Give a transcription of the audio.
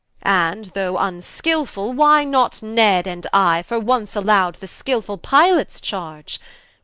And though vnskilfull, why not Ned and I, For once allow'd the skilfull Pilots Charge?